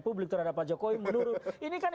publik terhadap pak jokowi menurun ini kan